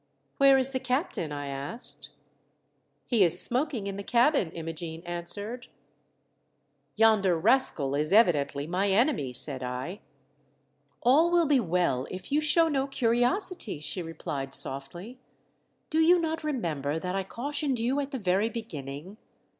"Where is the captain ?" I asked. " He is smoking in the cabin," Imogene answered. "Yonder rascal is evidently my enemy," said I. "All will be well if you show no curiosity," she replied, softly. " Do you not remember that I cautioned you at the very beginning?